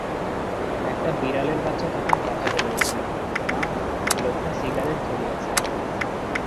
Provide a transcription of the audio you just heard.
একটা বিড়ালের বাচ্চা তখন কথা বলে উঠল, মা, লোকটা সিগারেট ধরিয়েছে।